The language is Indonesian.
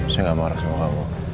saya enggak marah semoga